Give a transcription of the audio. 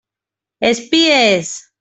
Espies!